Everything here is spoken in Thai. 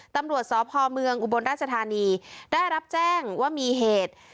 ตำรวจสพเมืองอุบลราชธานีได้รับแจ้งว่ามีเหตุ